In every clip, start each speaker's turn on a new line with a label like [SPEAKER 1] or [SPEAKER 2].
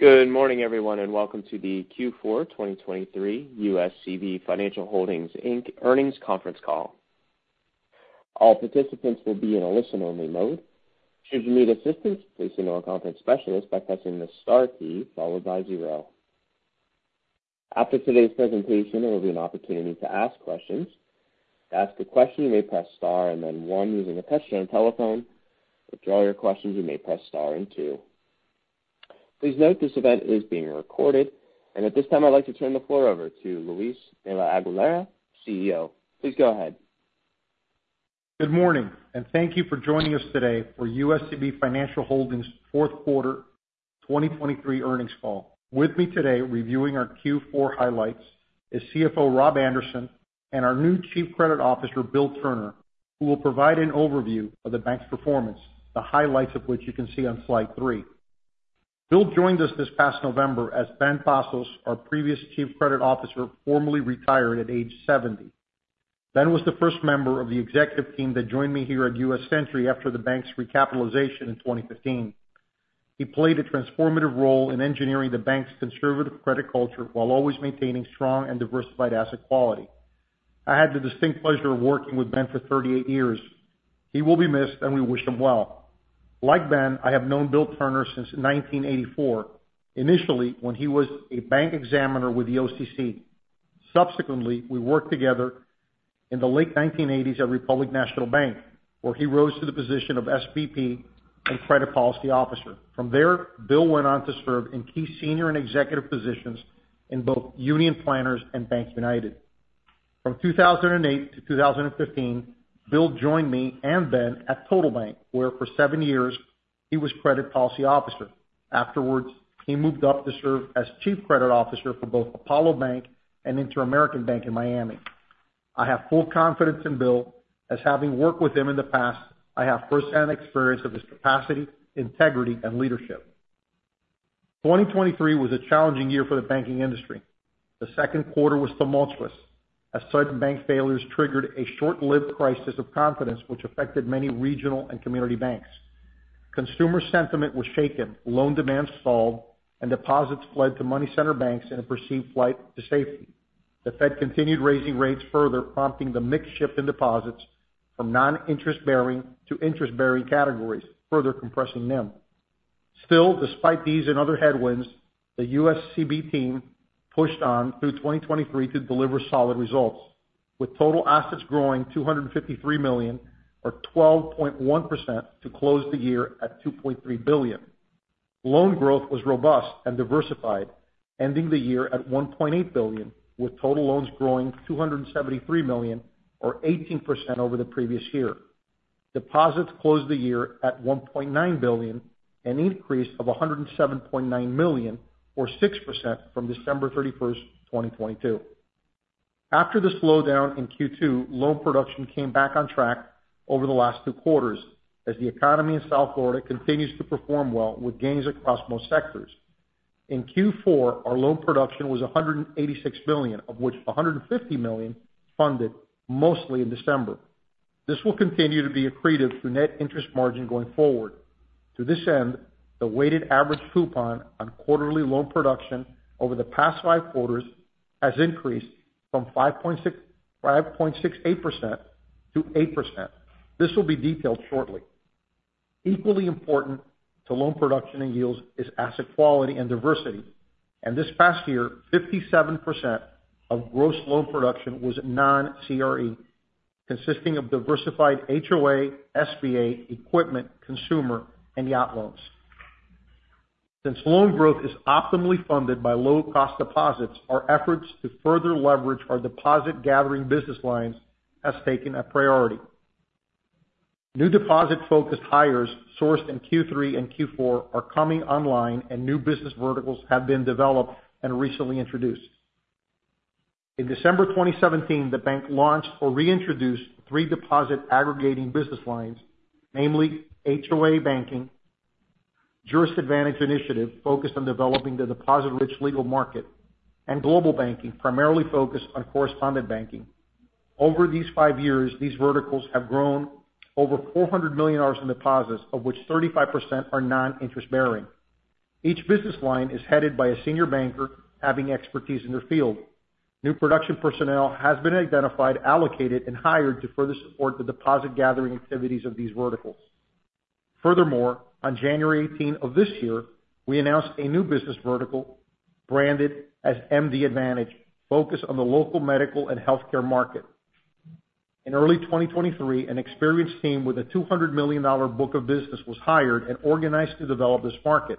[SPEAKER 1] Good morning, everyone, and welcome to the Q4 2023 USCB Financial Holdings, Inc. earnings conference call. All participants will be in a listen-only mode. Should you need assistance, please signal our conference specialist by pressing the star key followed by zero. After today's presentation, there will be an opportunity to ask questions. To ask a question, you may press Star and then one using a touch-tone telephone. To withdraw your questions, you may press Star and two. Please note, this event is being recorded, and at this time, I'd like to turn the floor over to Luis de la Aguilera, CEO. Please go ahead.
[SPEAKER 2] Good morning, and thank you for joining us today for USCB Financial Holdings' fourth quarter 2023 earnings call. With me today, reviewing our Q4 highlights, is CFO Rob Anderson and our new Chief Credit Officer, Bill Turner, who will provide an overview of the bank's performance, the highlights of which you can see on slide 3. Bill joined us this past November as Ben Pazos, our previous chief credit officer, formally retired at age 70. Ben was the first member of the executive team that joined me here at U.S. Century after the bank's recapitalization in 2015. He played a transformative role in engineering the bank's conservative credit culture while always maintaining strong and diversified asset quality. I had the distinct pleasure of working with Ben for 38 years. He will be missed, and we wish him well. Like Ben, I have known Bill Turner since 1984, initially when he was a bank examiner with the OCC. Subsequently, we worked together in the late 1980s at Republic National Bank, where he rose to the position of SVP and credit policy officer. From there, Bill went on to serve in key senior and executive positions in both Union Planters and BankUnited. From 2008 to 2015, Bill joined me and Ben at TotalBank, where for seven years he was credit policy officer. Afterwards, he moved up to serve as chief credit officer for both Apollo Bank and InterAmerican Bank in Miami. I have full confidence in Bill, as having worked with him in the past, I have firsthand experience of his capacity, integrity and leadership. 2023 was a challenging year for the banking industry. The second quarter was tumultuous, as certain bank failures triggered a short-lived crisis of confidence, which affected many regional and community banks. Consumer sentiment was shaken, loan demand stalled, and deposits fled to money center banks in a perceived flight to safety. The Fed continued raising rates further, prompting the mixed shift in deposits from non-interest bearing to interest-bearing categories, further compressing NIM. Still, despite these and other headwinds, the USCB team pushed on through 2023 to deliver solid results, with total assets growing $253 million, or 12.1%, to close the year at $2.3 billion. Loan growth was robust and diversified, ending the year at $1.8 billion, with total loans growing $273 million, or 18% over the previous year. Deposits closed the year at $1.9 billion, an increase of $107.9 million, or 6% from December 31, 2022. After the slowdown in Q2, loan production came back on track over the last two quarters as the economy in South Florida continues to perform well with gains across most sectors. In Q4, our loan production was $186 million, of which $150 million funded mostly in December. This will continue to be accretive to net interest margin going forward. To this end, the weighted average coupon on quarterly loan production over the past five quarters has increased from 5.68% to 8%. This will be detailed shortly. Equally important to loan production and yields is asset quality and diversity, and this past year, 57% of gross loan production was non-CRE, consisting of diversified HOA, SBA, equipment, consumer, and yacht loans. Since loan growth is optimally funded by low-cost deposits, our efforts to further leverage our deposit-gathering business lines has taken a priority. New deposit-focused hires sourced in Q3 and Q4 are coming online, and new business verticals have been developed and recently introduced. In December 2017, the bank launched or reintroduced three deposit aggregating business lines, namely HOA Banking, JurisAdvantage Initiative, focused on developing the deposit-rich legal market, and Global Banking, primarily focused on correspondent banking. Over these five years, these verticals have grown over $400 million in deposits, of which 35% are non-interest bearing. Each business line is headed by a senior banker having expertise in their field. New production personnel has been identified, allocated and hired to further support the deposit-gathering activities of these verticals. Furthermore, on January 18 of this year, we announced a new business vertical branded as MDAdvantage, focused on the local medical and healthcare market. In early 2023, an experienced team with a $200 million book of business was hired and organized to develop this market.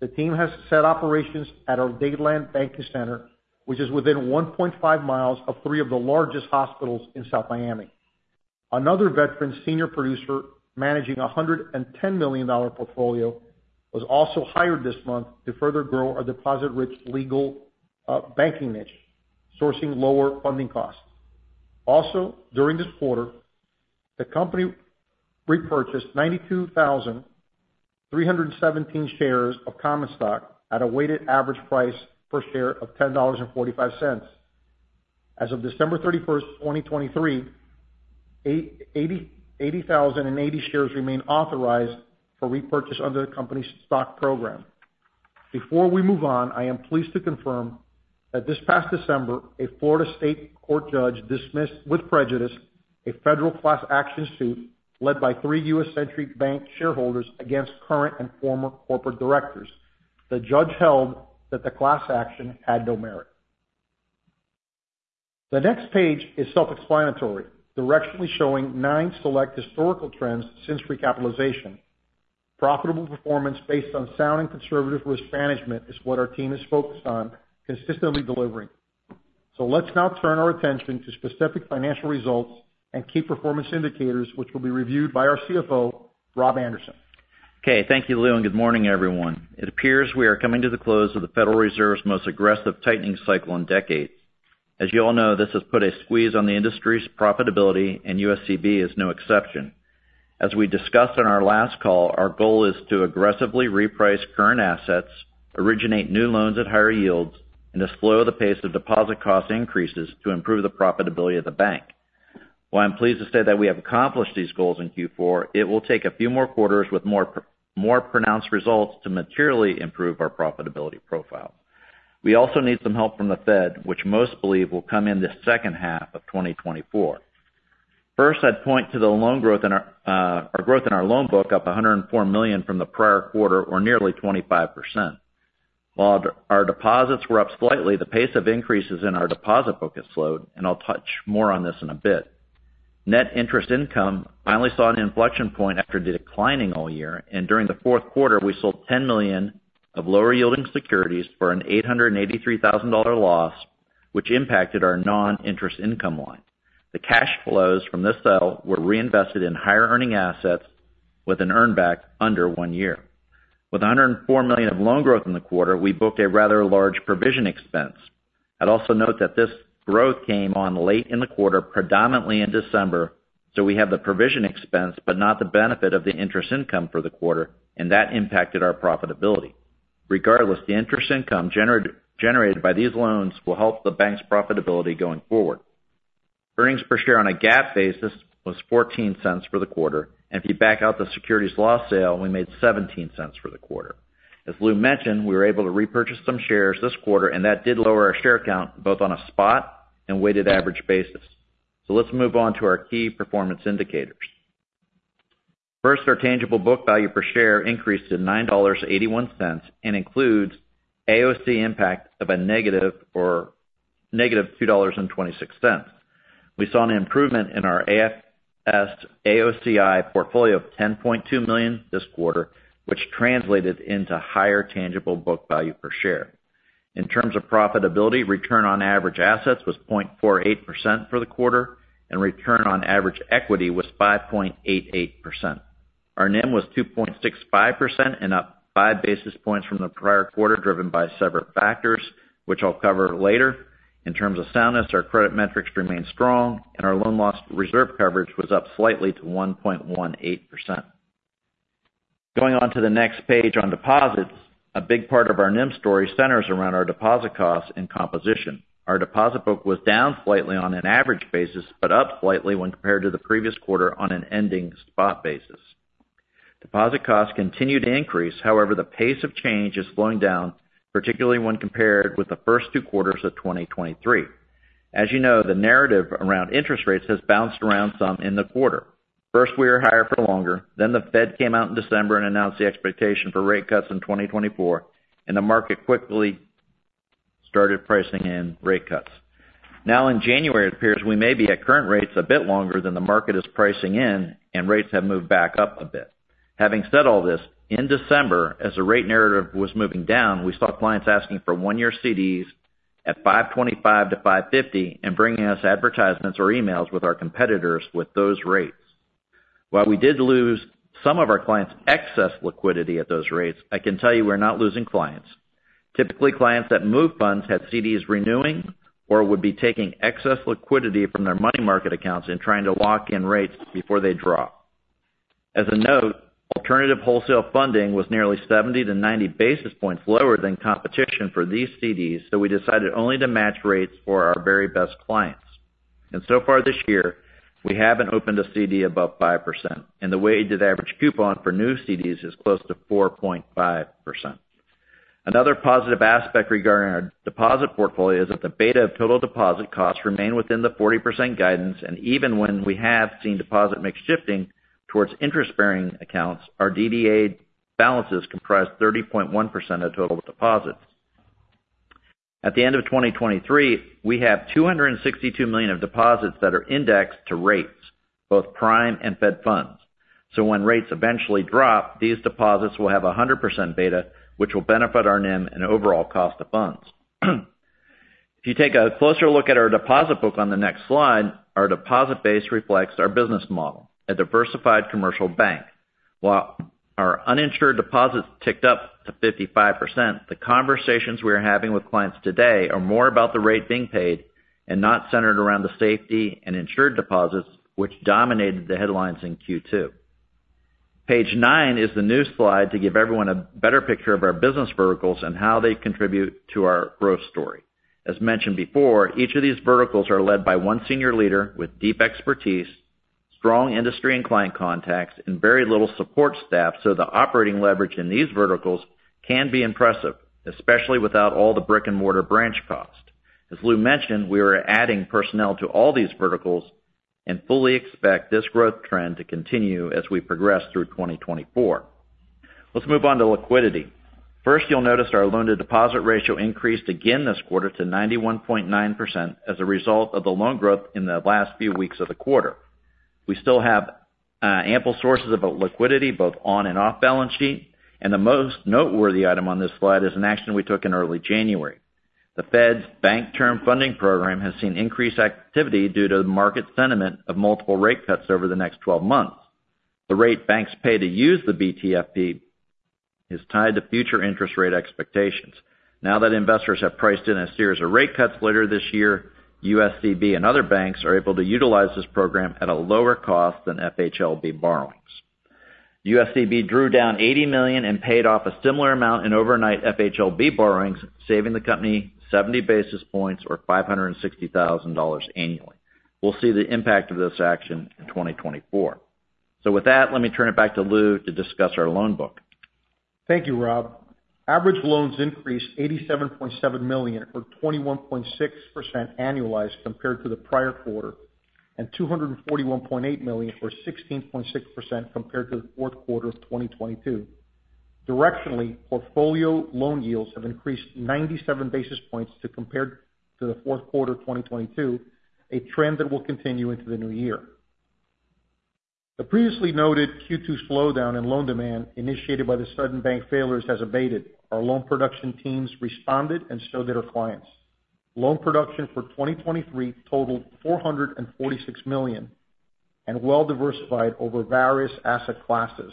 [SPEAKER 2] The team has set operations at our Dadeland Banking Center, which is within 1.5 miles of three of the largest hospitals in South Miami. Another veteran senior producer managing a $110 million portfolio was also hired this month to further grow our deposit-rich legal banking niche, sourcing lower funding costs. Also, during this quarter, the company repurchased 92,317 shares of common stock at a weighted average price per share of $10.45. As of December 31, 2023, 80,080 shares remain authorized for repurchase under the company's stock program. Before we move on, I am pleased to confirm that this past December, a Florida state court judge dismissed with prejudice a federal class action suit led by three U.S. Century Bank shareholders against current and former corporate directors. The judge held that the class action had no merit. The next page is self-explanatory, directionally showing nine select historical trends since recapitalization. Profitable performance based on sound and conservative risk management is what our team is focused on consistently delivering. Let's now turn our attention to specific financial results and key performance indicators, which will be reviewed by our CFO, Rob Anderson.
[SPEAKER 3] Okay. Thank you, Lou, and good morning, everyone. It appears we are coming to the close of the Federal Reserve's most aggressive tightening cycle in decades. As you all know, this has put a squeeze on the industry's profitability, and USCB is no exception. As we discussed on our last call, our goal is to aggressively reprice current assets, originate new loans at higher yields, and to slow the pace of deposit cost increases to improve the profitability of the bank. While I'm pleased to say that we have accomplished these goals in Q4, it will take a few more quarters with more pronounced results to materially improve our profitability profile. We also need some help from the Fed, which most believe will come in the second half of 2024. First, I'd point to the loan growth in our... Our growth in our loan book, up $104 million from the prior quarter, or nearly 25%. While our deposits were up slightly, the pace of increases in our deposit book has slowed, and I'll touch more on this in a bit. Net interest income finally saw an inflection point after declining all year, and during the fourth quarter, we sold $10 million of lower-yielding securities for an $883,000 loss, which impacted our non-interest income line. The cash flows from this sale were reinvested in higher-earning assets with an earn back under one year. With $104 million of loan growth in the quarter, we booked a rather large provision expense. I'd also note that this growth came on late in the quarter, predominantly in December, so we have the provision expense, but not the benefit of the interest income for the quarter, and that impacted our profitability. Regardless, the interest income generated by these loans will help the bank's profitability going forward. Earnings per share on a GAAP basis was $0.14 for the quarter, and if you back out the securities loss sale, we made $0.17 for the quarter. As Lou mentioned, we were able to repurchase some shares this quarter, and that did lower our share count both on a spot and weighted average basis. So let's move on to our key performance indicators. First, our tangible book value per share increased to $9.81 and includes AOCI impact of a negative $2.26. We saw an improvement in our AFS, AOCI portfolio of $10.2 million this quarter, which translated into higher tangible book value per share. In terms of profitability, return on average assets was 0.48% for the quarter, and return on average equity was 5.88%. Our NIM was 2.65% and up five basis points from the prior quarter, driven by several factors, which I'll cover later. In terms of soundness, our credit metrics remained strong, and our loan loss reserve coverage was up slightly to 1.18%. Going on to the next page on deposits, a big part of our NIM story centers around our deposit costs and composition. Our deposit book was down slightly on an average basis, but up slightly when compared to the previous quarter on an ending spot basis. Deposit costs continued to increase. However, the pace of change is slowing down, particularly when compared with the first two quarters of 2023. As you know, the narrative around interest rates has bounced around some in the quarter. First, we were higher for longer, then the Fed came out in December and announced the expectation for rate cuts in 2024, and the market quickly started pricing in rate cuts. Now, in January, it appears we may be at current rates a bit longer than the market is pricing in, and rates have moved back up a bit. Having said all this, in December, as the rate narrative was moving down, we saw clients asking for one-year CDs at 5.25%-5.50% and bringing us advertisements or emails with our competitors with those rates. While we did lose some of our clients' excess liquidity at those rates, I can tell you we're not losing clients. Typically, clients that move funds had CDs renewing or would be taking excess liquidity from their money market accounts and trying to lock in rates before they drop. As a note, alternative wholesale funding was nearly 70-90 basis points lower than competition for these CDs, so we decided only to match rates for our very best clients. And so far this year, we haven't opened a CD above 5%, and the weighted average coupon for new CDs is close to 4.5%. Another positive aspect regarding our deposit portfolio is that the beta of total deposit costs remain within the 40% guidance, and even when we have seen deposit mix shifting towards interest-bearing accounts, our DDA balances comprise 30.1% of total deposits. At the end of 2023, we have $262 million of deposits that are indexed to rates, both prime and Fed funds. So when rates eventually drop, these deposits will have a 100% beta, which will benefit our NIM and overall cost of funds. If you take a closer look at our deposit book on the next slide, our deposit base reflects our business model, a diversified commercial bank. While our uninsured deposits ticked up to 55%, the conversations we are having with clients today are more about the rate being paid and not centered around the safety and insured deposits, which dominated the headlines in Q2. Page 9 is the new slide to give everyone a better picture of our business verticals and how they contribute to our growth story. As mentioned before, each of these verticals are led by one senior leader with deep expertise, strong industry and client contacts, and very little support staff, so the operating leverage in these verticals can be impressive, especially without all the brick-and-mortar branch costs. As Lou mentioned, we are adding personnel to all these verticals and fully expect this growth trend to continue as we progress through 2024. Let's move on to liquidity. First, you'll notice our loan-to-deposit ratio increased again this quarter to 91.9% as a result of the loan growth in the last few weeks of the quarter. We still have ample sources of liquidity, both on and off balance sheet, and the most noteworthy item on this slide is an action we took in early January. The Fed's Bank Term Funding Program has seen increased activity due to the market sentiment of multiple rate cuts over the next 12 months. The rate banks pay to use the BTFP is tied to future interest rate expectations. Now that investors have priced in a series of rate cuts later this year, USCB and other banks are able to utilize this program at a lower cost than FHLB borrowings. USCB drew down $80 million and paid off a similar amount in overnight FHLB borrowings, saving the company 70 basis points or $560,000 annually. We'll see the impact of this action in 2024. With that, let me turn it back to Lou to discuss our loan book.
[SPEAKER 2] Thank you, Rob. Average loans increased $87.7 million, or 21.6% annualized compared to the prior quarter, and $241.8 million, or 16.6%, compared to the fourth quarter of 2022. Directionally, portfolio loan yields have increased 97 basis points compared to the fourth quarter of 2022, a trend that will continue into the new year. The previously noted Q2 slowdown in loan demand, initiated by the sudden bank failures, has abated. Our loan production teams responded, and so did our clients. Loan production for 2023 totaled $446 million and well diversified over various asset classes.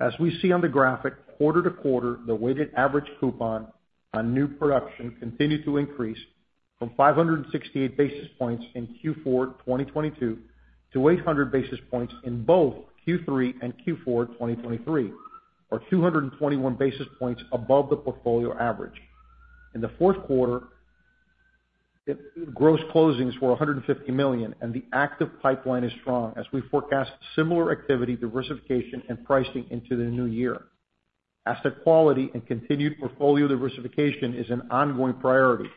[SPEAKER 2] As we see on the graphic, quarter to quarter, the weighted average coupon on new production continued to increase from 568 basis points in Q4 2022 to 800 basis points in both Q3 and Q4 2023, or 221 basis points above the portfolio average. In the fourth quarter, the gross closings were $150 million, and the active pipeline is strong as we forecast similar activity, diversification, and pricing into the new year. Asset quality and continued portfolio diversification is an ongoing priority.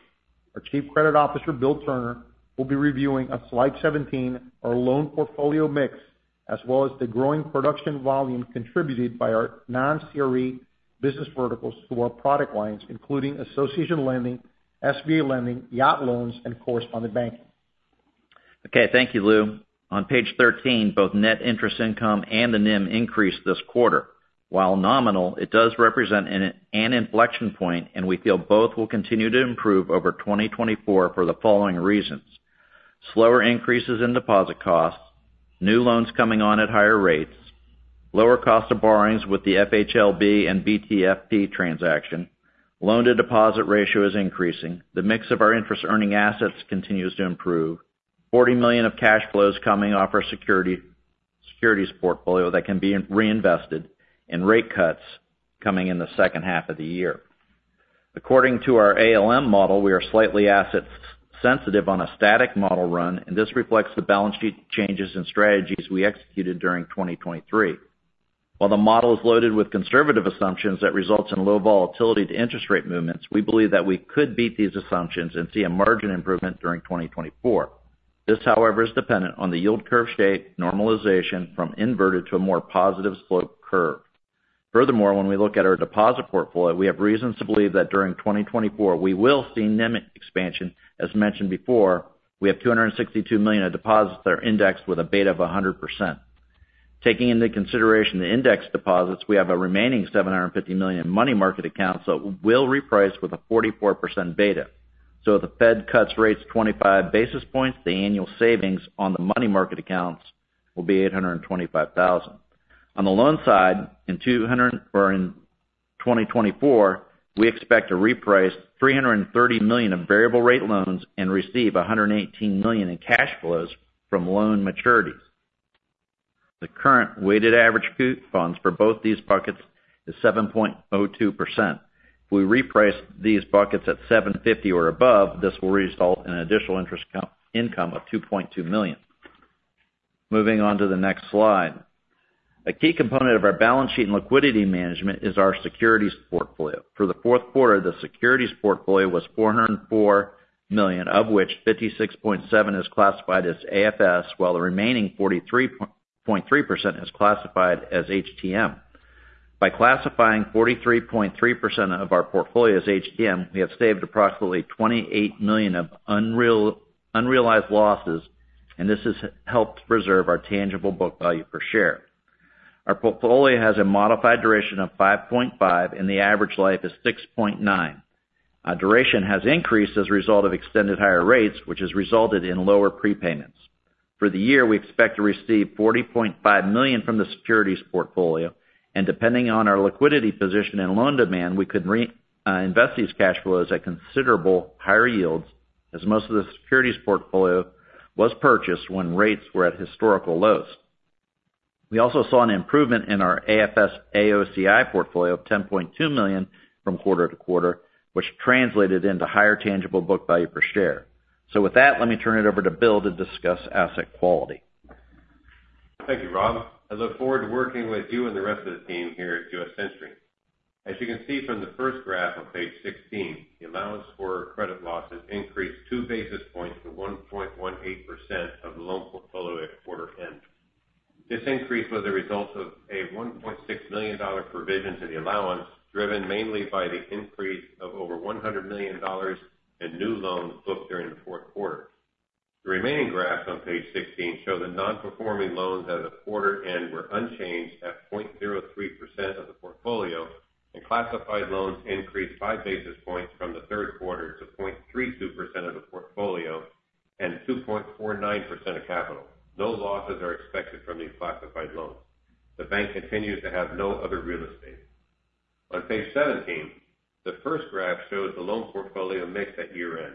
[SPEAKER 2] Our Chief Credit Officer, Bill Turner, will be reviewing on slide 17, our loan portfolio mix, as well as the growing production volume contributed by our non-CRE business verticals to our product lines, including association lending, SBA lending, yacht loans, and correspondent banking.
[SPEAKER 3] Okay. Thank you, Lou. On page 13, both net interest income and the NIM increased this quarter. While nominal, it does represent an inflection point, and we feel both will continue to improve over 2024 for the following reasons: slower increases in deposit costs, new loans coming on at higher rates, lower cost of borrowings with the FHLB and BTFP transaction, loan-to-deposit ratio is increasing, the mix of our interest earning assets continues to improve, $40 million of cash flows coming off our securities portfolio that can be reinvested, and rate cuts coming in the second half of the year. According to our ALM model, we are slightly asset-sensitive on a static model run, and this reflects the balance sheet changes and strategies we executed during 2023. While the model is loaded with conservative assumptions that results in low volatility to interest rate movements, we believe that we could beat these assumptions and see a margin improvement during 2024. This, however, is dependent on the yield curve shape normalization from inverted to a more positive slope curve. Furthermore, when we look at our deposit portfolio, we have reasons to believe that during 2024, we will see NIM expansion. As mentioned before, we have $262 million of deposits that are indexed with a beta of 100%. Taking into consideration the index deposits, we have a remaining $750 million money market accounts that will reprice with a 44% beta. So if the Fed cuts rates 25 basis points, the annual savings on the money market accounts will be $825,000. On the loan side, in 2024, we expect to reprice $330 million of variable rate loans and receive $118 million in cash flows from loan maturities. The current weighted average coupon for both these buckets is 7.02%. If we reprice these buckets at 7.50% or above, this will result in additional interest income of $2.2 million. Moving on to the next slide. A key component of our balance sheet and liquidity management is our securities portfolio. For the fourth quarter, the securities portfolio was $404 million, of which 56.7% is classified as AFS, while the remaining 43.3% is classified as HTM. By classifying 43.3% of our portfolio as HTM, we have saved approximately $28 million of unrealized losses, and this has helped preserve our tangible book value per share. Our portfolio has a modified duration of 5.5, and the average life is 6.9. Our duration has increased as a result of extended higher rates, which has resulted in lower prepayments. For the year, we expect to receive $40.5 million from the securities portfolio, and depending on our liquidity position and loan demand, we could reinvest these cash flows at considerable higher yields... as most of the securities portfolio was purchased when rates were at historical lows. We also saw an improvement in our AFS/AOCI portfolio of $10.2 million from quarter to quarter, which translated into higher tangible book value per share. With that, let me turn it over to Bill to discuss asset quality.
[SPEAKER 4] Thank you, Rob. I look forward to working with you and the rest of the team here at U.S. Century. As you can see from the first graph on page 16, the allowance for credit losses increased 2 basis points to 1.18% of the loan portfolio at quarter end. This increase was a result of a $1.6 million provision to the allowance, driven mainly by the increase of over $100 million in new loans booked during the fourth quarter. The remaining graphs on page 16 show that non-performing loans at the quarter end were unchanged at 0.03% of the portfolio, and classified loans increased 5 basis points from the third quarter to 0.32% of the portfolio and 2.49% of capital. No losses are expected from these classified loans. The bank continues to have no other real estate. On page 17, the first graph shows the loan portfolio mix at year-end.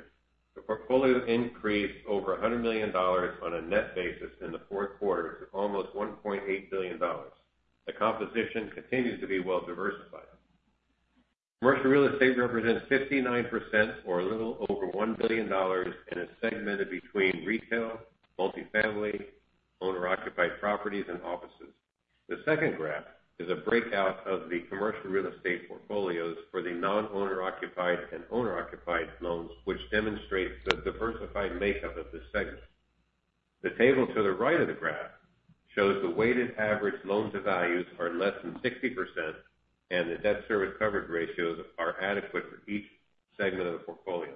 [SPEAKER 4] The portfolio increased over $100 million on a net basis in the fourth quarter to almost $1.8 billion. The composition continues to be well diversified. Commercial real estate represents 59% or a little over $1 billion, and is segmented between retail, multifamily, owner-occupied properties, and offices. The second graph is a breakout of the commercial real estate portfolios for the non-owner occupied and owner-occupied loans, which demonstrates the diversified makeup of this segment. The table to the right of the graph shows the weighted average loan-to-value ratios are less than 60%, and the debt service coverage ratios are adequate for each segment of the portfolio.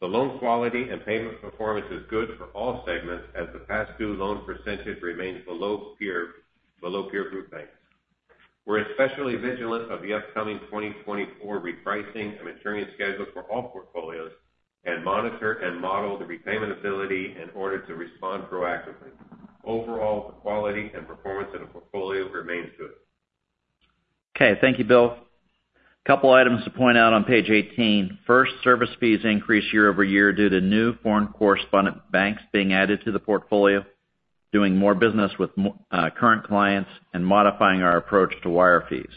[SPEAKER 4] The loan quality and payment performance is good for all segments, as the past due loan percentage remains below peer, below peer group banks. We're especially vigilant of the upcoming 2024 repricing and maturing schedule for all portfolios, and monitor and model the repayment ability in order to respond proactively. Overall, the quality and performance of the portfolio remains good.
[SPEAKER 3] Okay. Thank you, Bill. Couple items to point out on page 18. First, service fees increased year-over-year due to new foreign correspondent banks being added to the portfolio, doing more business with current clients, and modifying our approach to wire fees.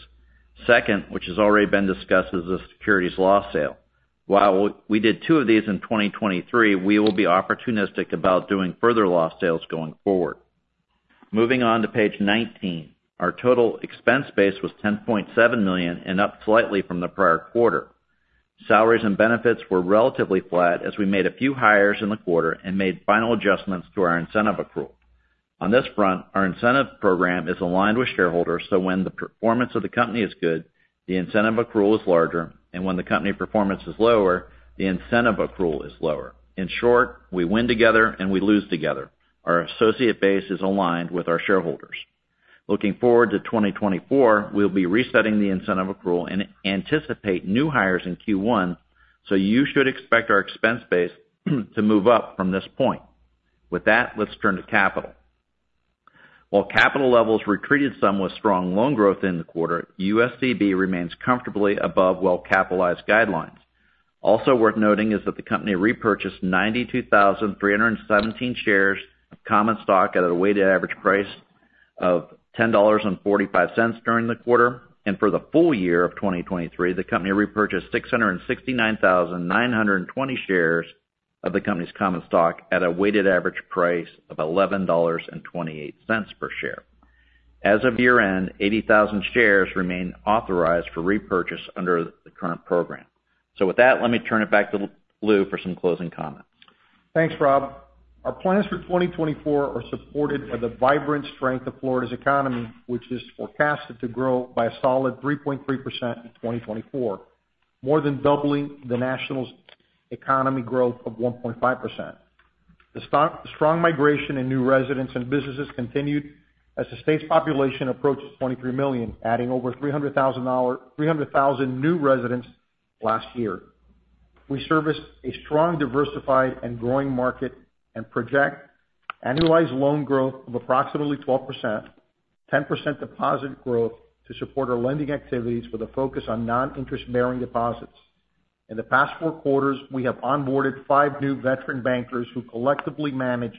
[SPEAKER 3] Second, which has already been discussed, is the securities loss sale. While we, we did two of these in 2023, we will be opportunistic about doing further loss sales going forward. Moving on to page 19. Our total expense base was $10.7 million and up slightly from the prior quarter. Salaries and benefits were relatively flat as we made a few hires in the quarter and made final adjustments to our incentive accrual. On this front, our incentive program is aligned with shareholders, so when the performance of the company is good, the incentive accrual is larger, and when the company performance is lower, the incentive accrual is lower. In short, we win together, and we lose together. Our associate base is aligned with our shareholders. Looking forward to 2024, we'll be resetting the incentive accrual and anticipate new hires in Q1, so you should expect our expense base to move up from this point. With that, let's turn to capital. While capital levels retreated some with strong loan growth in the quarter, USCB remains comfortably above well-capitalized guidelines. Also worth noting is that the company repurchased 92,317 shares of common stock at a weighted average price of $10.45 during the quarter. For the full year of 2023, the company repurchased 669,920 shares of the company's common stock at a weighted average price of $11.28 per share. As of year-end, 80,000 shares remain authorized for repurchase under the current program. With that, let me turn it back to Lou for some closing comments.
[SPEAKER 2] Thanks, Rob. Our plans for 2024 are supported by the vibrant strength of Florida's economy, which is forecasted to grow by a solid 3.3% in 2024, more than doubling the national's economy growth of 1.5%. The strong, strong migration in new residents and businesses continued as the state's population approaches 23 million, adding over 300,000 new residents last year. We serviced a strong, diversified, and growing market and project annualized loan growth of approximately 12%, 10% deposit growth to support our lending activities with a focus on non-interest-bearing deposits. In the past 4 quarters, we have onboarded 5 new veteran bankers who collectively manage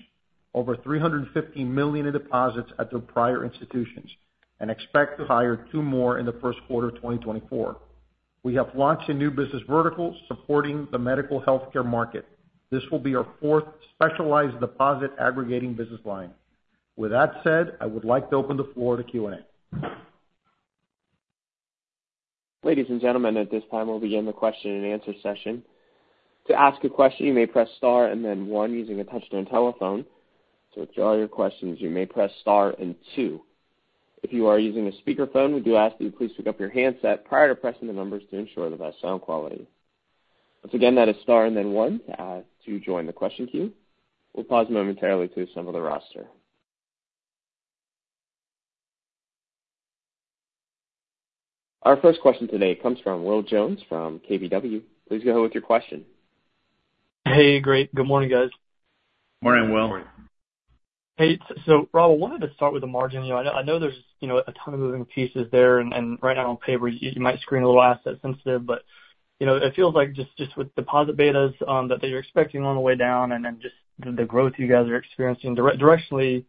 [SPEAKER 2] over $350 million in deposits at their prior institutions and expect to hire 2 more in the first quarter of 2024. We have launched a new business vertical supporting the medical healthcare market. This will be our fourth specialized deposit aggregating business line. With that said, I would like to open the floor to Q&A.
[SPEAKER 1] Ladies and gentlemen, at this time, we'll begin the question-and-answer session. To ask a question, you may press star and then one using a touch-tone telephone. To withdraw your questions, you may press star and two. If you are using a speakerphone, we do ask that you please pick up your handset prior to pressing the numbers to ensure the best sound quality. Once again, that is star and then one to, to join the question queue. We'll pause momentarily to assemble the roster. Our first question today comes from Will Jones from KBW. Please go ahead with your question.
[SPEAKER 5] Hey, great. Good morning, guys.
[SPEAKER 3] Morning, Will....
[SPEAKER 5] Hey, so Rob, why don't I start with the margin? You know, I know there's, you know, a ton of moving pieces there, and right now, on paper, you might screen a little asset sensitive, but, you know, it feels like just with deposit betas that you're expecting on the way down, and then just the growth you guys are experiencing, directionally,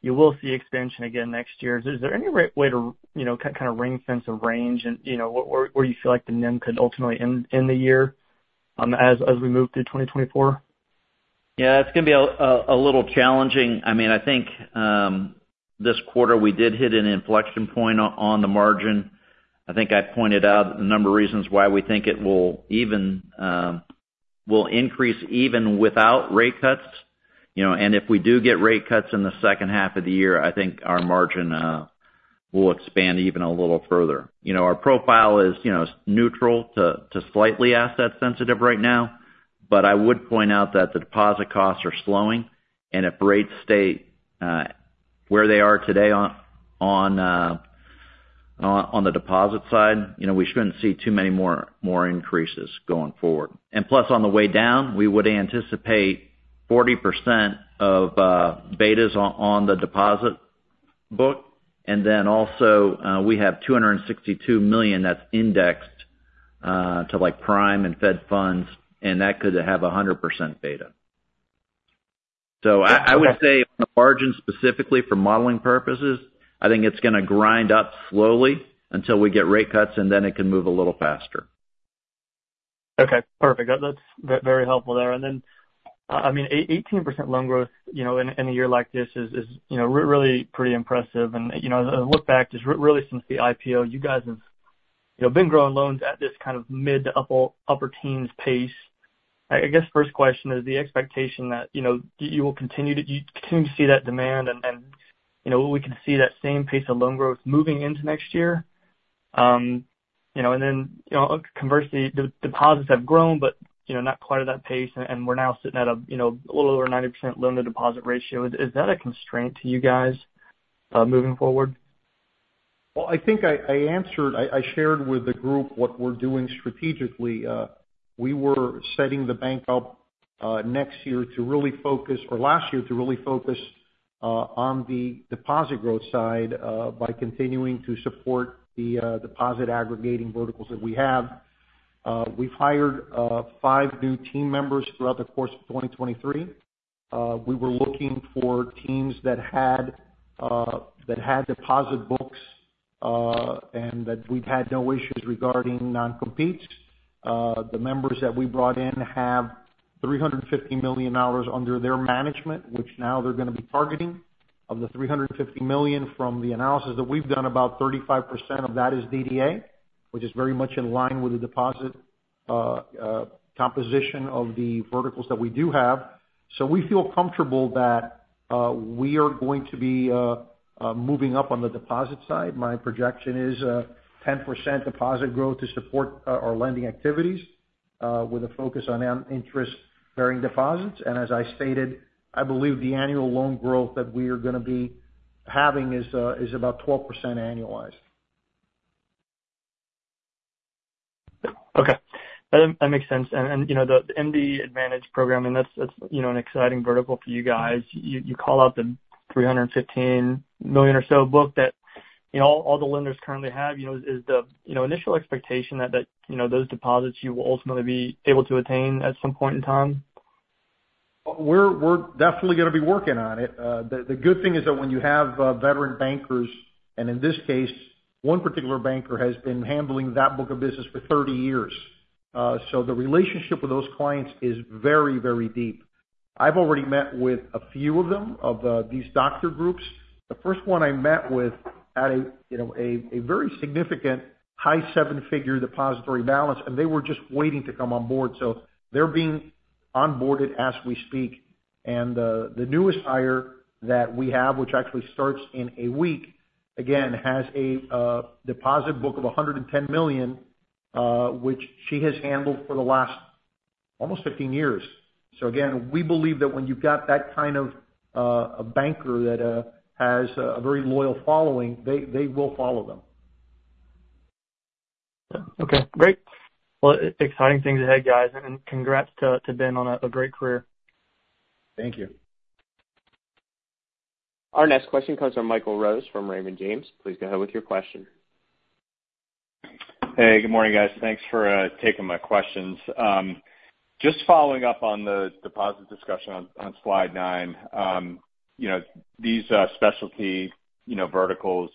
[SPEAKER 5] you will see expansion again next year. Is there any way to, you know, kind of ring fence a range and, you know, where you feel like the NIM could ultimately end the year, as we move through 2024?
[SPEAKER 3] Yeah, it's gonna be a little challenging. I mean, I think this quarter we did hit an inflection point on the margin. I think I pointed out a number of reasons why we think it will even will increase even without rate cuts, you know, and if we do get rate cuts in the second half of the year, I think our margin will expand even a little further. You know, our profile is neutral to slightly asset sensitive right now, but I would point out that the deposit costs are slowing, and if rates stay where they are today on the deposit side, you know, we shouldn't see too many more increases going forward. Plus, on the way down, we would anticipate 40% of betas on the deposit book, and then also, we have $262 million that's indexed to, like, prime and fed funds, and that could have a 100% beta. So I, I would say-
[SPEAKER 5] Okay.
[SPEAKER 3] On the margin, specifically for modeling purposes, I think it's gonna grind up slowly until we get rate cuts, and then it can move a little faster.
[SPEAKER 5] Okay, perfect. That's very helpful there. And then, I mean, 18% loan growth, you know, in a year like this is, you know, really pretty impressive. And, you know, a look back, just really since the IPO, you guys have, you know, been growing loans at this kind of mid- to upper-teens pace. I guess, first question is the expectation that, you know, you will continue to see that demand and, you know, we can see that same pace of loan growth moving into next year? You know, and then, conversely, the deposits have grown, but, you know, not quite at that pace, and we're now sitting at a, you know, a little over 90% loan to deposit ratio. Is that a constraint to you guys moving forward?
[SPEAKER 2] Well, I think I answered. I shared with the group what we're doing strategically. We were setting the bank up, next year to really focus, or last year, to really focus, on the deposit growth side, by continuing to support the deposit aggregating verticals that we have. We've hired five new team members throughout the course of 2023. We were looking for teams that had deposit books, and that we've had no issues regarding non-competes. The members that we brought in have $350 million under their management, which now they're gonna be targeting. Of the $350 million, from the analysis that we've done, about 35% of that is DDA, which is very much in line with the deposit composition of the verticals that we do have. So we feel comfortable that we are going to be moving up on the deposit side. My projection is 10% deposit growth to support our lending activities with a focus on interest-bearing deposits. And as I stated, I believe the annual loan growth that we are gonna be having is about 12% annualized.
[SPEAKER 5] Okay. That makes sense. And you know, the MDAdvantage program, and that's you know an exciting vertical for you guys. You call out the $315 million or so book that you know all the lenders currently have. You know, is the initial expectation that you know those deposits you will ultimately be able to attain at some point in time?
[SPEAKER 2] We're definitely gonna be working on it. The good thing is that when you have veteran bankers, and in this case, one particular banker has been handling that book of business for 30 years, so the relationship with those clients is very, very deep. I've already met with a few of them, of these doctor groups. The first one I met with had, you know, a very significant high seven-figure $ depository balance, and they were just waiting to come on board, so they're being onboarded as we speak. And the newest hire that we have, which actually starts in a week, again, has a deposit book of $110 million, which she has handled for the last, almost 15 years. So again, we believe that when you've got that kind of a banker that has a very loyal following, they, they will follow them.
[SPEAKER 5] Okay, great. Well, exciting things ahead, guys, and congrats to Ben on a great career.
[SPEAKER 2] Thank you.
[SPEAKER 1] Our next question comes from Michael Rose, from Raymond James. Please go ahead with your question.
[SPEAKER 6] Hey, good morning, guys. Thanks for taking my questions. Just following up on the deposit discussion on slide nine. You know, these specialty verticals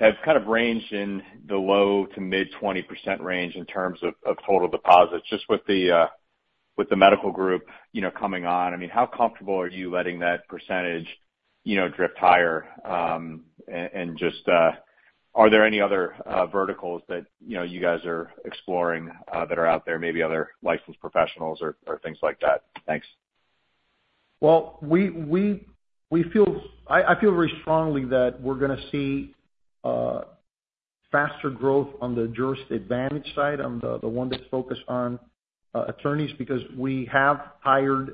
[SPEAKER 6] have kind of ranged in the low to mid-20% range in terms of total deposits. Just with the medical group coming on, I mean, how comfortable are you letting that percentage drift higher? And just, are there any other verticals that you guys are exploring that are out there, maybe other licensed professionals or things like that? Thanks.
[SPEAKER 2] Well, we feel... I feel very strongly that we're gonna see faster growth on the JurisAdvantage side, on the one that's focused on attorneys, because we have hired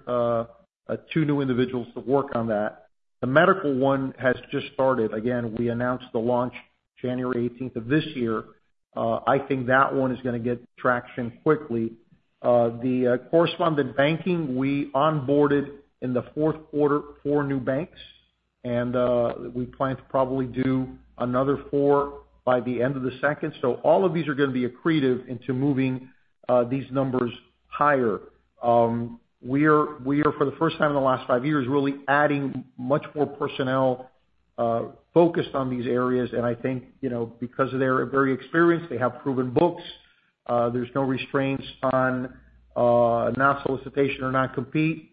[SPEAKER 2] 2 new individuals to work on that. The medical one has just started. Again, we announced the launch January 18th of this year. I think that one is gonna get traction quickly.... the correspondent banking, we onboarded in the fourth quarter, 4 new banks, and we plan to probably do another 4 by the end of the second. So all of these are gonna be accretive into moving these numbers higher. We are, for the first time in the last 5 years, really adding much more personnel focused on these areas. I think, you know, because of they're very experienced, they have proven books, there's no restraints on non-solicitation or non-compete,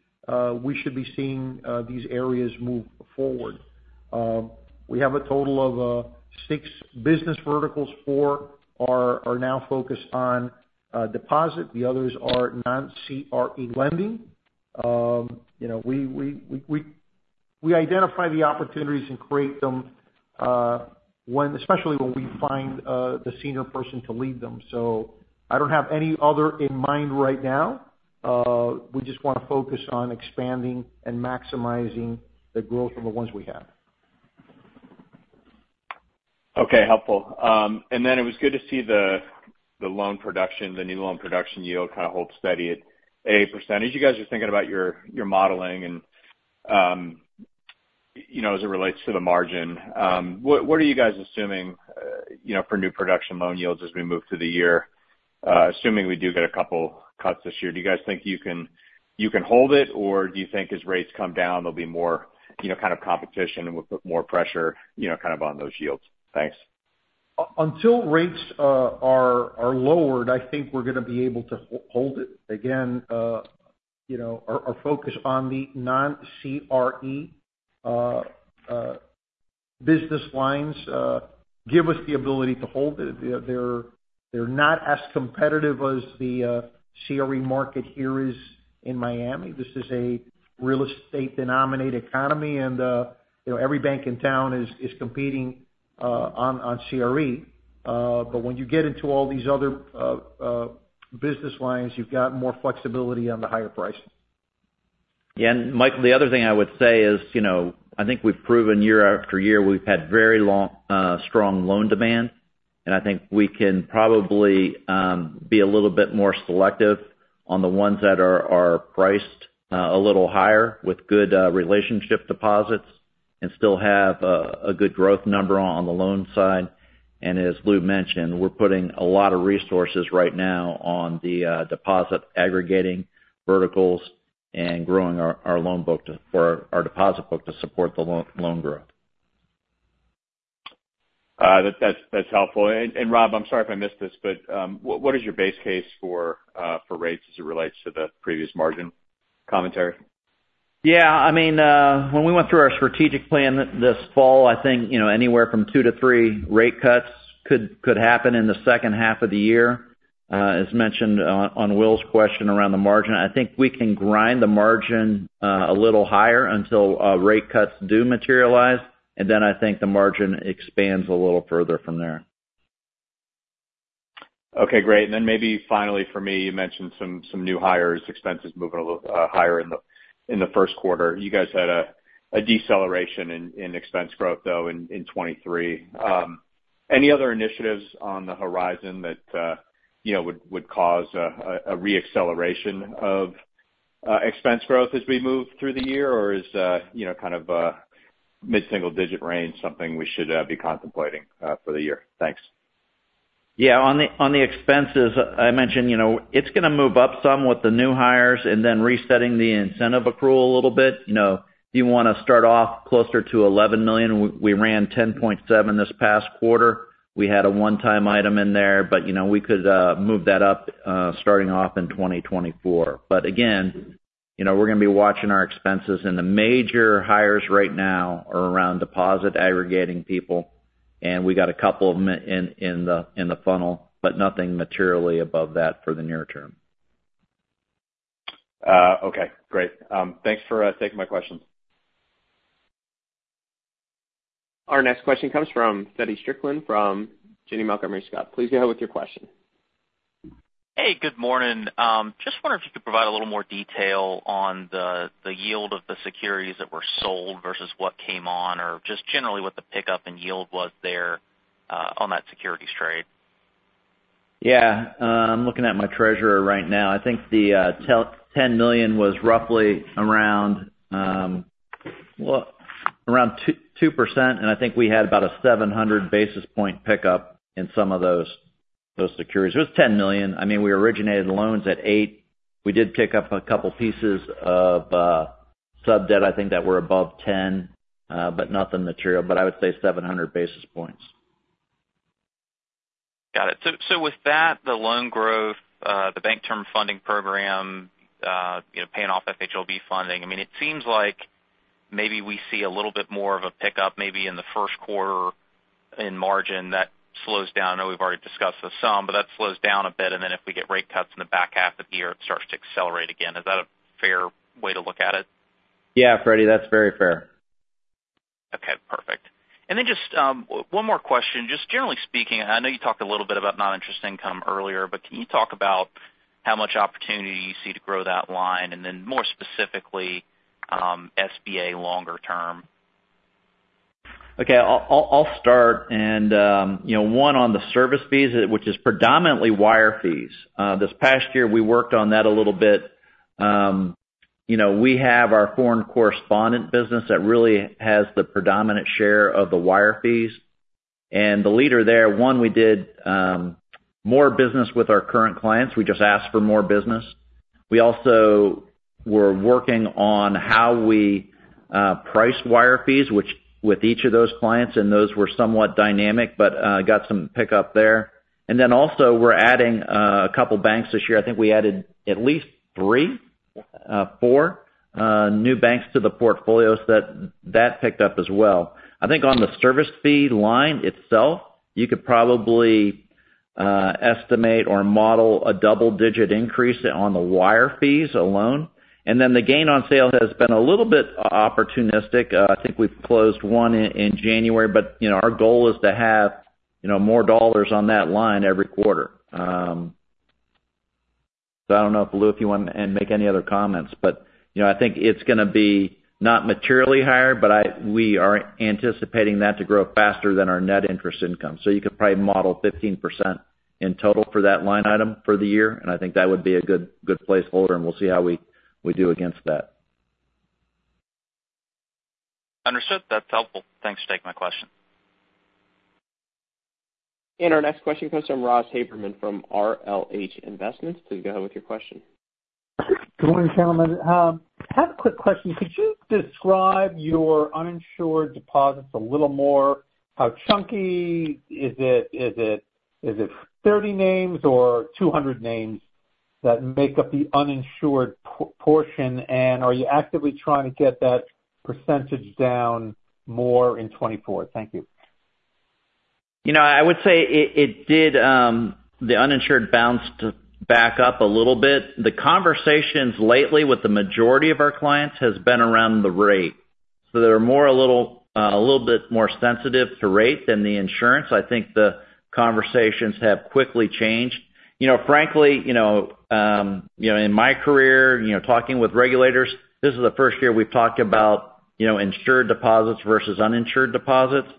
[SPEAKER 2] we should be seeing these areas move forward. We have a total of 6 business verticals. 4 are now focused on deposit, the others are non-CRE lending. You know, we identify the opportunities and create them, especially when we find the senior person to lead them. I don't have any other in mind right now. We just wanna focus on expanding and maximizing the growth from the ones we have.
[SPEAKER 6] Okay, helpful. And then it was good to see the loan production, the new loan production yield kind of hold steady at 8%. You guys are thinking about your modeling and, you know, as it relates to the margin, what are you guys assuming, you know, for new production loan yields as we move through the year, assuming we do get a couple cuts this year? Do you guys think you can hold it, or do you think as rates come down, there'll be more, you know, kind of competition and will put more pressure, you know, kind of on those yields? Thanks.
[SPEAKER 2] Until rates are lowered, I think we're gonna be able to hold it. Again, you know, our focus on the non-CRE business lines give us the ability to hold it. They're not as competitive as the CRE market here is in Miami. This is a real estate denominated economy and, you know, every bank in town is competing on CRE. But when you get into all these other business lines, you've got more flexibility on the higher pricing.
[SPEAKER 3] Yeah, and Michael, the other thing I would say is, you know, I think we've proven year after year, we've had very long, strong loan demand, and I think we can probably be a little bit more selective on the ones that are, are priced a little higher with good relationship deposits and still have a good growth number on the loan side. And as Lou mentioned, we're putting a lot of resources right now on the deposit aggregating verticals and growing our loan book to for our deposit book to support the loan growth.
[SPEAKER 6] That’s helpful. And Rob, I’m sorry if I missed this, but what is your base case for rates as it relates to the previous margin commentary?
[SPEAKER 3] Yeah, I mean, when we went through our strategic plan this fall, I think, you know, anywhere from 2-3 rate cuts could happen in the second half of the year. As mentioned, on Will's question around the margin, I think we can grind the margin a little higher until rate cuts do materialize, and then I think the margin expands a little further from there.
[SPEAKER 6] Okay, great. And then maybe finally, for me, you mentioned some new hires, expenses moving a little higher in the first quarter. You guys had a deceleration in expense growth, though, in 2023. Any other initiatives on the horizon that you know would cause a re-acceleration of expense growth as we move through the year? Or is, you know, kind of mid-single digit range something we should be contemplating for the year? Thanks.
[SPEAKER 3] Yeah, on the expenses, I mentioned, you know, it's gonna move up some with the new hires and then resetting the incentive accrual a little bit. You know, you wanna start off closer to $11 million. We ran $10.7 million this past quarter. We had a one-time item in there, but, you know, we could move that up starting off in 2024. But again, you know, we're gonna be watching our expenses, and the major hires right now are around deposit aggregating people, and we got a couple of them in the funnel, but nothing materially above that for the near term.
[SPEAKER 6] Okay. Great. Thanks for taking my questions.
[SPEAKER 1] Our next question comes from Feddie Strickland from Janney Montgomery Scott. Please go ahead with your question.
[SPEAKER 7] Hey, good morning. Just wonder if you could provide a little more detail on the, the yield of the securities that were sold versus what came on, or just generally, what the pickup in yield was there, on that securities trade?
[SPEAKER 3] Yeah. I'm looking at my treasurer right now. I think the $10 million was roughly around, well, around 2%, and I think we had about a 700 basis point pickup in some of those securities. It was $10 million. I mean, we originated loans at 8%. We did pick up a couple pieces of sub-debt, I think, that were above 10%, but nothing material. But I would say 700 basis points.
[SPEAKER 7] Got it. So, so with that, the loan growth, the Bank Term Funding Program, you know, paying off FHLB funding, I mean, it seems like maybe we see a little bit more of a pickup, maybe in the first quarter in margin that slows down. I know we've already discussed this some, but that slows down a bit, and then if we get rate cuts in the back half of the year, it starts to accelerate again. Is that a fair way to look at it?
[SPEAKER 3] Yeah, Freddie, that's very fair.
[SPEAKER 7] Okay, perfect. And then just, one more question. Just generally speaking, I know you talked a little bit about non-interest income earlier, but can you talk about how much opportunity you see to grow that line, and then more specifically, SBA longer term? ...
[SPEAKER 3] Okay, I'll start. And, you know, one, on the service fees, which is predominantly wire fees. This past year, we worked on that a little bit. You know, we have our foreign correspondent business that really has the predominant share of the wire fees. And the leader there, one, we did more business with our current clients. We just asked for more business. We also were working on how we price wire fees, which with each of those clients, and those were somewhat dynamic, but got some pickup there. And then also, we're adding a couple banks this year. I think we added at least three, four new banks to the portfolios that picked up as well. I think on the service fee line itself, you could probably estimate or model a double-digit increase on the wire fees alone, and then the gain on sale has been a little bit opportunistic. I think we've closed one in January, but, you know, our goal is to have, you know, more dollars on that line every quarter. So I don't know if, Lou, if you want to and make any other comments, but, you know, I think it's gonna be not materially higher, but we are anticipating that to grow faster than our net interest income. So you could probably model 15% in total for that line item for the year, and I think that would be a good, good placeholder, and we'll see how we do against that.
[SPEAKER 7] Understood. That's helpful. Thanks for taking my question.
[SPEAKER 1] Our next question comes from Ross Haberman from RLH Investments. Please go ahead with your question.
[SPEAKER 8] Good morning, gentlemen. I have a quick question. Could you describe your uninsured deposits a little more? How chunky is it? Is it 30 names or 200 names that make up the uninsured portion? And are you actively trying to get that percentage down more in 2024? Thank you.
[SPEAKER 3] You know, I would say it, it did, the uninsured bounced back up a little bit. The conversations lately with the majority of our clients has been around the rate. So they're more a little, a little bit more sensitive to rate than the insurance. I think the conversations have quickly changed. You know, frankly, you know, in my career, you know, talking with regulators, this is the first year we've talked about, you know, insured deposits versus uninsured deposits.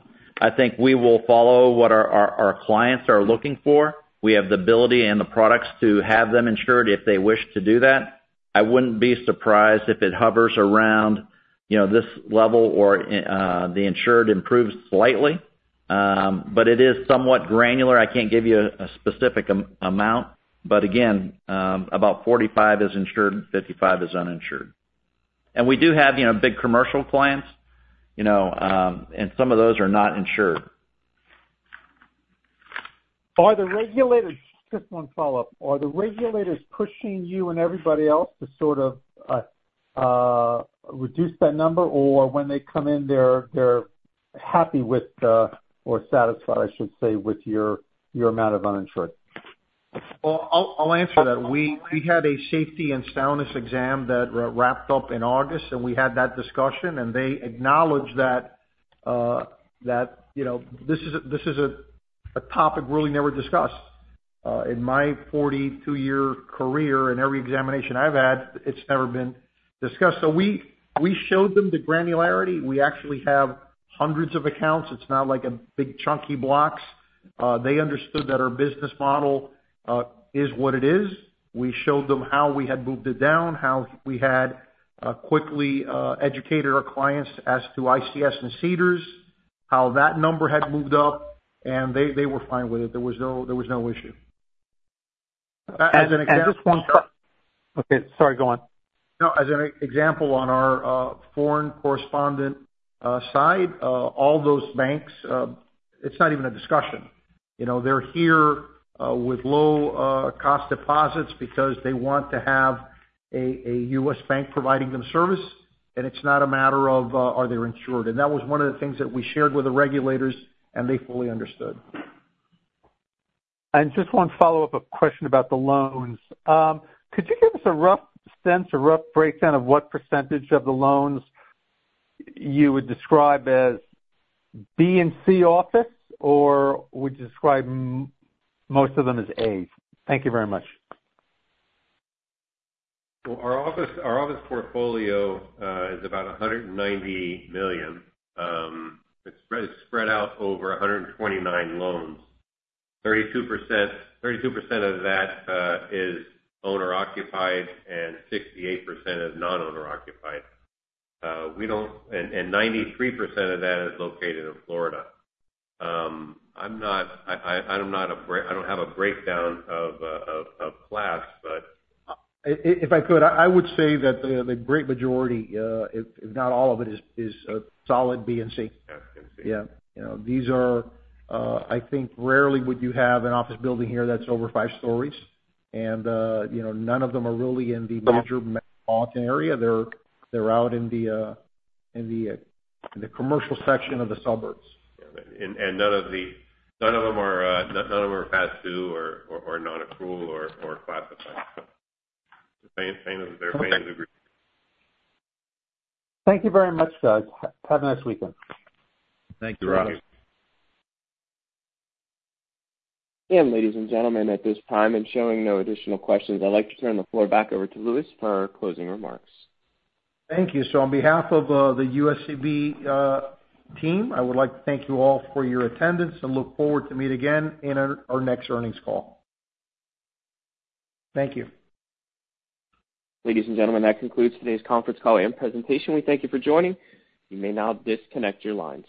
[SPEAKER 3] I think we will follow what our, our, our clients are looking for. We have the ability and the products to have them insured if they wish to do that. I wouldn't be surprised if it hovers around, you know, this level or, the insured improves slightly. But it is somewhat granular. I can't give you a specific amount, but again, about 45 is insured, 55 is uninsured. We do have, you know, big commercial clients, you know, and some of those are not insured.
[SPEAKER 8] Are the regulators... Just one follow-up. Are the regulators pushing you and everybody else to sort of reduce that number? Or when they come in, they're happy with or satisfied, I should say, with your amount of uninsured?
[SPEAKER 2] Well, I'll answer that. We had a safety and soundness exam that wrapped up in August, and we had that discussion, and they acknowledged that, you know, this is a topic we really never discussed. In my 42-year career, in every examination I've had, it's never been discussed. So we showed them the granularity. We actually have hundreds of accounts. It's not like a big, chunky blocks. They understood that our business model is what it is. We showed them how we had moved it down, how we had quickly educated our clients as to ICS and CDARS, how that number had moved up, and they were fine with it. There was no issue.
[SPEAKER 8] Just one follow-
[SPEAKER 2] Okay, sorry, go on.
[SPEAKER 8] No, as an example, on our foreign correspondent side, all those banks, it's not even a discussion. You know, they're here with low cost deposits because they want to have a U.S. bank providing them service, and it's not a matter of are they insured? And that was one of the things that we shared with the regulators, and they fully understood. And just one follow-up question about the loans. Could you give us a rough sense or rough breakdown of what percentage of the loans you would describe as B and C office, or would you describe most of them as As? Thank you very much.
[SPEAKER 3] Well, our office portfolio is about $190 million. It's spread out over 129 loans. 32% of that is owner occupied, and 68% is non-owner occupied. 93% of that is located in Florida. I don't have a breakdown of class, but-
[SPEAKER 2] If I could, I would say that the great majority, if not all of it, is solid B and C.
[SPEAKER 3] Yes, B and C.
[SPEAKER 2] Yeah. You know, these are, I think rarely would you have an office building here that's over five stories and, you know, none of them are really in the major metropolitan area. They're out in the commercial section of the suburbs.
[SPEAKER 3] Yeah, and none of them are past due, or non-accrual, or classified. So same as their-
[SPEAKER 8] Thank you. Thank you very much, guys. Have a nice weekend.
[SPEAKER 3] Thank you, Ross.
[SPEAKER 1] Ladies and gentlemen, at this time, and showing no additional questions, I'd like to turn the floor back over to Luis for closing remarks.
[SPEAKER 2] Thank you. So on behalf of the USCB team, I would like to thank you all for your attendance and look forward to meet again in our next earnings call.
[SPEAKER 3] Thank you.
[SPEAKER 1] Ladies and gentlemen, that concludes today's conference call and presentation. We thank you for joining. You may now disconnect your lines.